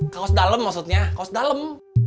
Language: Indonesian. kaos dalem maksudnya kaos dalem